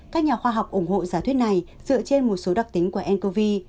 các nhà khoa học ủng hộ giả thuyết này dựa trên một số đặc tính của ncov